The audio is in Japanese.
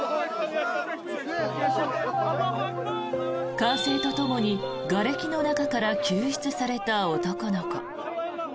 歓声とともにがれきの中から救出された男の子。